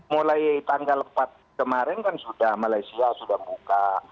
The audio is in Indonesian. mulai tanggal empat kemarin kan sudah malaysia sudah buka